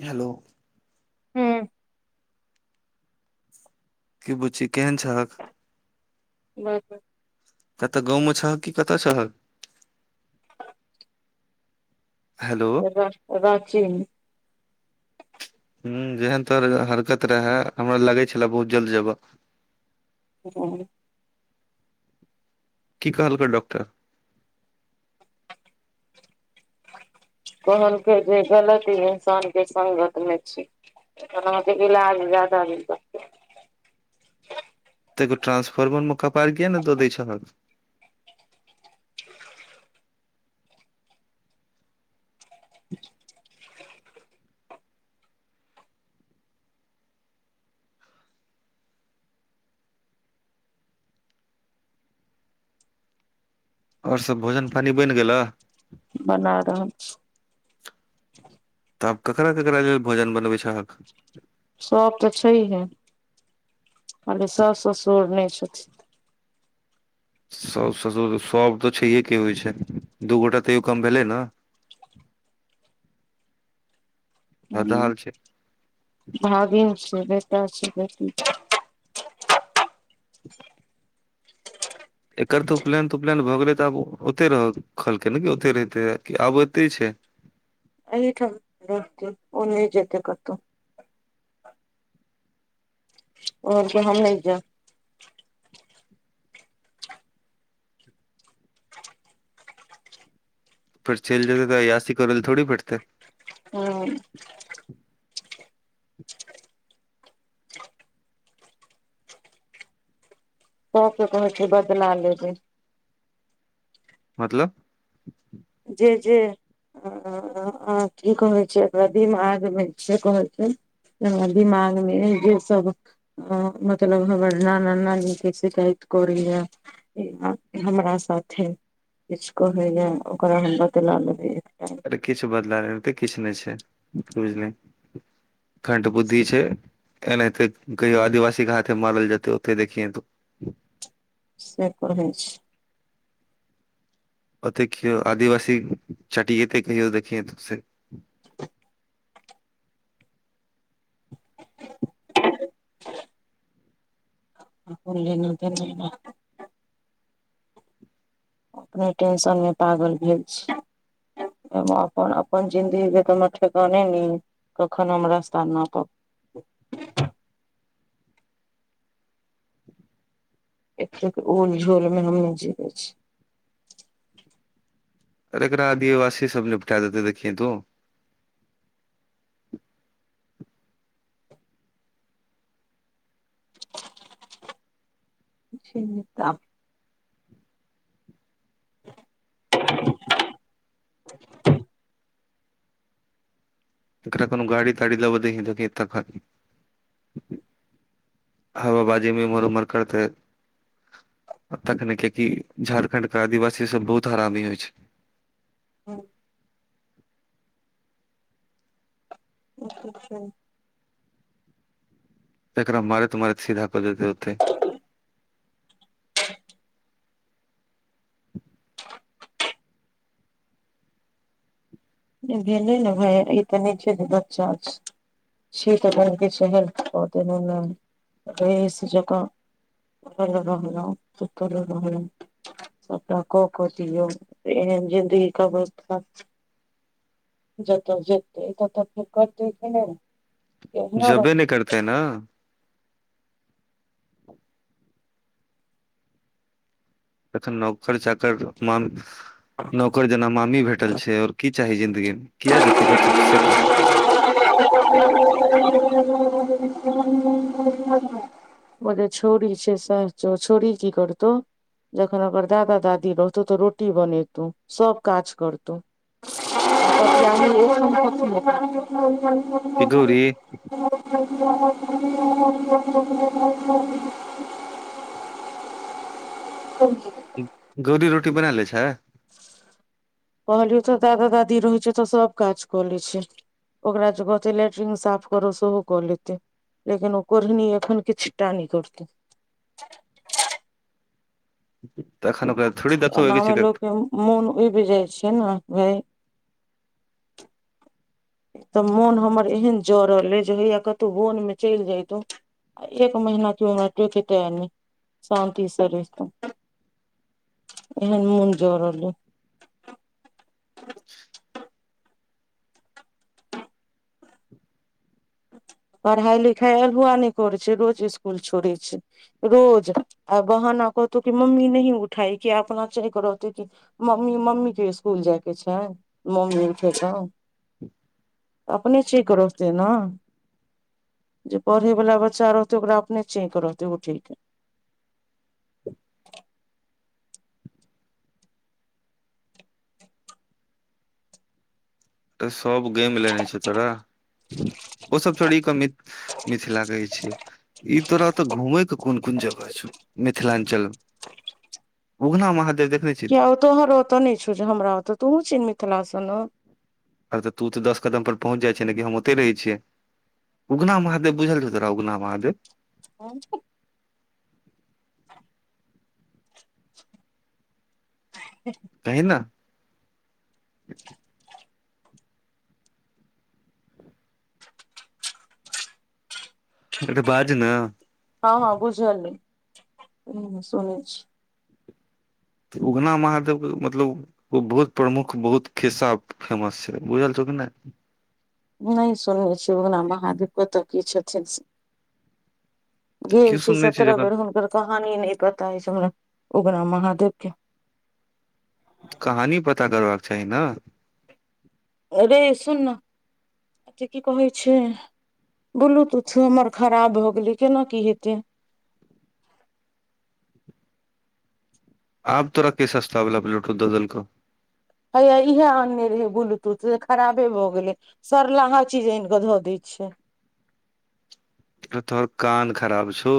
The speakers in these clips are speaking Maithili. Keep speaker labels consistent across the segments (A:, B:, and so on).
A: हेलो
B: हूं [inaudible]
A: की बुची केहन छहक
B: [unintelligible]
A: कत गाँवमे छहक कि कत छहक
B: [unintelligible]
A: हेलो
B: प्राचीन [unintelligible]
A: ह जेहन तोहर हरकत रहे हमरा लगै छले बहुत जल्द जेबह।
B: औ
A: कि कहालकै डॉकटर
B: कहलके जे गलत ई इंसान के सगत मे छी। नत लऽ आब जादा द तऽ
A: तो तनंसफर्मर म कपार किए ने दऽ दै छै और सभ भोजन पानि बनि गेला
B: बना रहा लऽ छै
A: तऽ आब ककरा ककरा लेल भोजन बनबै छै अहाँकेँ
B: सभ तऽ छैहे कहले सास ससुर नहि छथिन
A: सभ ससुर सभ तऽ छैहे के होइ छै दू गोटा तैयो कम भेलै ने हदाहाल छै
B: भाभी छै बेटा छै बेटी
A: एकर त उपनयन त उपनयन भऽ गेलै तऽ आब ओते रह कहलकै ने क ओते रहिते आब एते छै
B: एहिठामत ओ नहि जेत करतहु। क़हलके हम नहि जा
A: सेल जेतै तऽ असी करैल थोड़ी पटतै
B: हू सभके कहै छै बदला लेब
A: मतलब।
B: जे जे कि कहै छै एकरा दिमाग मे छै कहै छै दिमाग मे जे सभ मतलब हम नना ली के शिकायत करीए हमरा साथे किछु कहे या ओकरा हम बादला लेबे
A: किछु बदलाै किछु नहि छै बुझलिय खड बुद्धि छै। ए नहि कि आदिवासी हाथे मारल जाते होते देखिए त
B: से कहे छै
A: ओत क आदिवासी चटियए तकहिऔ देखि
B: [inaudible] फलेन त [unintelligible] अपने टेशनमे पागल भेल छी अपन अपन जिंन्दगी के त ठेकाने न कखन हमरा रस्ता नपब एकर उलझ झोल मे मजि दऽ छै
A: अर एकरा आदिवासी सभ निपठा देतै देखि तू
B: चनता। [inaudible]
A: तरा कोनो गाड़ी ताड़ी लब दै हे तत खा हबा बाजीमे उमर उमर करते तखने कियकि झारखंड के आदिवासी सभ बहुत हरामी होइ छै
B: ह अच्छा अच्छा।
A: पकरा मारैतऽ मारैत सीधा कर देते आते
B: भेलै ने भाय ई त नहि छै जे बच्चा छियै तऽ बड़के शहर [unintelligible] रहिस जंका [unintelligible] सबटा कऽ कऽ दियौ एहन ज़िन्दगी के अवस्था छै जतऽ जेतै ततऽ फेर करतै की नै
A: जबे नहि करतेै न तखन नौकर चाकर माम नौकर जेना मामी भेटल छै आओर की चाही जिंन्दगीमे किया जतै कतौह से कह
B: [unintelligible] ओ जे छोउरी छै से छोउरी की करतौ जखन ओकर दादा दादी रहतहु तऽ रोटी बनेतहु सभ काज करतहु
A: [inaudible] कि गौरी
B: [unintelligible] [unintelligible] [unintelligible]
A: गौरी रोटी बना लै छै
B: कहलियौ तऽ दादा दादी रहै छै तऽ सब काज कऽ लै छै ओकरा जे कहते लैट्रिन साफ करऽ सेहो कऽ लेतै लेकिन ओ कोढ़नी एखन किछ टा नहि करतौ
A: तखन
B: एनामे लोकके मोन उबि जाइ छै ने भाइ एक तऽ मोन हमर एहन जरल अइ जे होइया कतहु वनमे चलि जइतहुँ आ एक महिना हमरा कियौ टोकिता नहि शान्ति सँ रहितौँ एहन मोन जड़ल याए पढ़ाई लिखाई अलहुआ नहि करै छै रोज इसकुल छोड़े छै रोज आ बहाना कहतो कि मम्मी नही उठाई किया अपना चेंक रहतै की मम्मी मम्मी के इसकुल जायके छै मम्मी उठेतौ अपने चेंक रहतै न जे पढ़े वला बच्चा रहतै ओकरा अपने चेंक रहतै उठेय के
A: तऽ सब गेम लेने छो तोरा ओसभ छोड़ि कऽ मि-मिथक लागै छै ई तोरा ओतऽ घूमैय के कोन कोन जगह छौ मिथिलाञ्चल मे उगना महादेव देखने छी
B: किया तोहर ओतऽ ने छौ जे हमरा ओतऽ तुहूँ छिहींन मिथिला सँ ने
A: अ तऽ तू तऽ दस कदम पर पहुँच जाइ छिहींन गे हम ओते रहै छियै उगना महादेव बुझल छो तोरा उगना महादेव
B: ह [unintelligible] [inaudible] [unintelligible]
A: कहिंन न आँ गे बाज न
B: हाँ हाँ बुझलियै हूँ सुनै छी।
A: उगना महादेवके मतलब ओ बहुत प्रमुख बहुत खिस्सा फेमस छै बुझल छौ कि नहि।
B: नहि सुनने छी उगना महादेव कतह की छथिन से। गेल
A: की
B: छी
A: सुनने
B: सत्रह बेर
A: जखन
B: हुनकर कहानी नहि पता छै हमरा उगना महादेव के।
A: कहानी पता करबाक चाही नऽ
B: अरे सुन नऽ त की कहै छै ब्लूतुथ हमर खराब भए गेलै केना की हेते
A: आब तोरा के सस्त बला बलतुथ दऽ देलको
B: हैया इएहे आनने रहे ब्लूटूथ खराबे भऽ गेलै सरलाहा चीज आनि कऽ धऽ दै छियै
A: तोहर कान खराब छौ?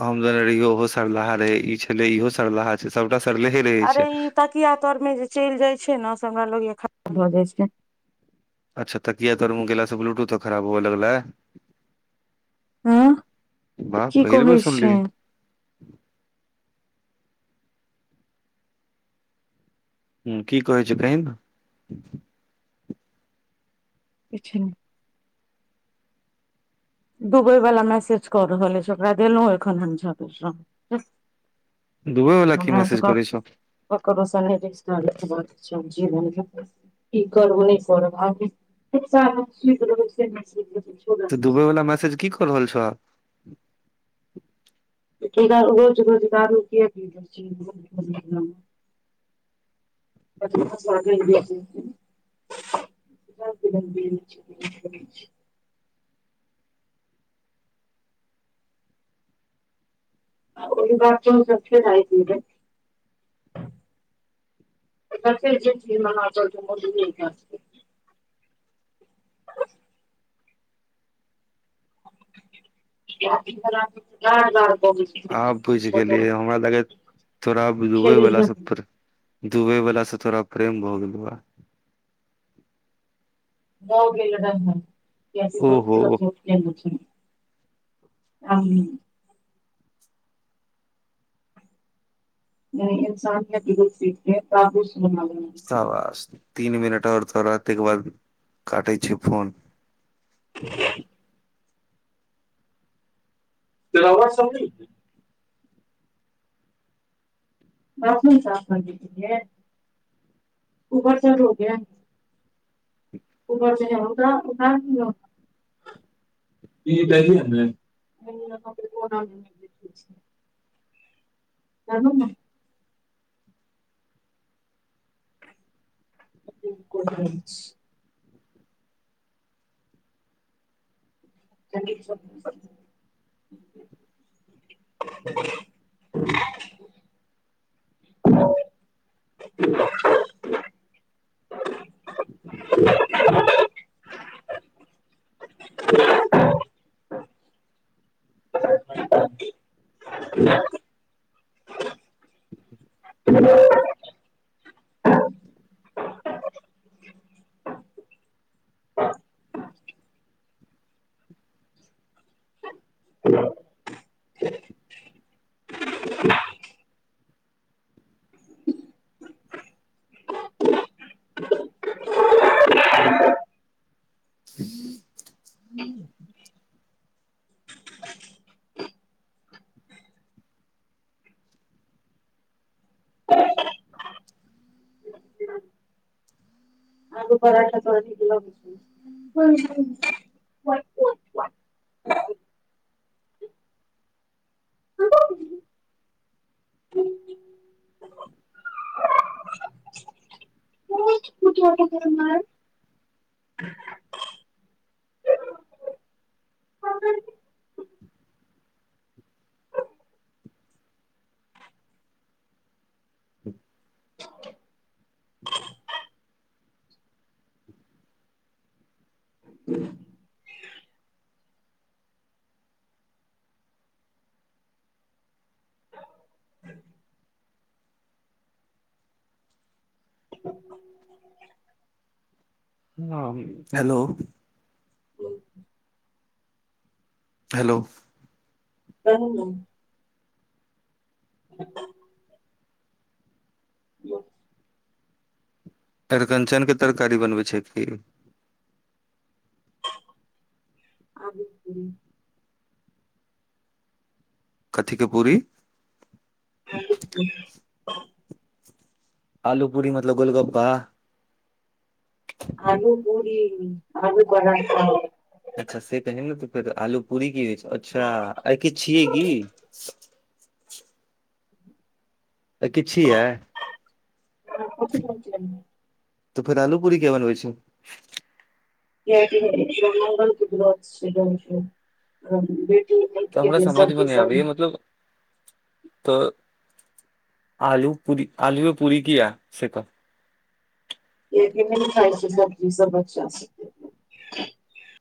A: हम जने रहियौ ओहो सरलाहा रहै ई छलै इहो सरलाहा छै सबटा सरलेहे रहै
B: अरे
A: छै।
B: ई तकिया तरमे जे चलि जाइ छै ने से हमरा लग खराब भऽ जाइ छै।
A: अच्छा तकिया तोर मऽ गेला से ब्लूटूथो खराब हुए लगलाै?
B: हँ
A: बाह
B: की
A: पहिल बेर
B: कहै छै
A: सुनलिय। हू कि कहे छै कहि नऽ
B: किछ नहि। दूबय वालला मैसेज कऽ रहल अछि ओकरा देलहुँ एखन हम
A: दुबई वाला की
B: हमरा
A: मैसेज
B: एतुका
A: करै छौ
B: ककरो से रिश्ता नय निभाबै के छै जेबो न कि करब नहि करब आब
A: तऽ दुबई वालला मैसेज की कर रहल छौ?
B: [unintelligible] रोज रोजगार के की भो रहल छै? कथि [unintelligible] [unintelligible] ओहि बात [unintelligible] [unintelligible] किये कि [unintelligible]
A: आब बुझ गेलियै हमरा लागै तोरा दबै बला सब पर दुबई बला सऽ तोरा प्रेम भ गेलौ ह।
B: भौ गेल ह कि
A: ओहो
B: बहुत क [unintelligible] इन्सानियत [unintelligible]
A: शाबाश तीन मिनट आओर थोड़ा ताके बाद काटे छिय फोन
B: [unintelligible] [unintelligible] बाथरूम साफ [unintelligible] [unintelligible] ई [unintelligible] [unintelligible] [unintelligible] संगे [unintelligible] [unintelligible] [unintelligible] [unintelligible] [unintelligible]
A: [unintelligible]
B: [unintelligible] [unintelligible] [unintelligible]
A: हेलो हेलो।
B: हमही [unintelligible] हू
A: अरिकञ्चनके तरकारी बनबै छै कि
B: आबे छी -
A: कथि के पूरी
B: ज ज [unintelligible]
A: आलू पूरी मतलब गोलगप्पा
B: आलू पूरी आलू पराठा।
A: अच्छा से कहे ने तऽ फेर आलू पूरी कि हो अच्छा आय किछ छिये क आइ किछ छिए
B: [unintelligible]
A: तऽ फेर आलू पूरी के बनबै छै
B: [unintelligible]
A: त हमरा
B: खेतै सब्जी
A: समझमे नहि
B: सब
A: आबइ या मतलब त आलू पूरी आलूये पूरी कीया से कहु
B: कियकी नहि खाइ छै सब्जी सभ बच्चासभ।